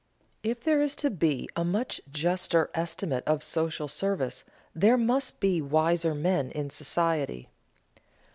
If there is to be a much juster estimate of social service, there must be wiser men in society.